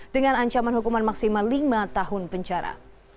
dengan ancaman hukuman maksimal lima tahun penjara